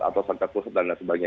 atau sangka pusat dan lain sebagainya